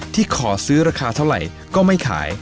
ขอซื้อราคาเท่าไหร่ก็ไม่ขาย